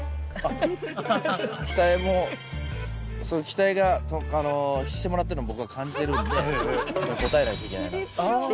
期待をしてもらってるのを僕は感じてるんで、応えないといけないなって。